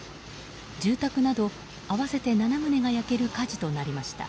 住宅など合わせて７棟が焼ける火事となりました。